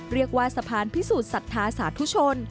สะพานพิสูจน์ศรัทธาสาธุชน